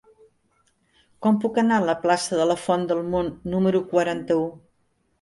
Com puc anar a la plaça de la Font del Mont número quaranta-u?